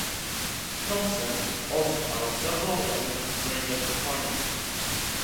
Thompson also held several administrative appointments.